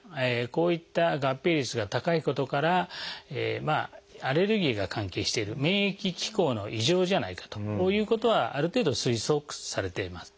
こういった合併率が高いことからアレルギーが関係している免疫機構の異常じゃないかということはある程度推測されています。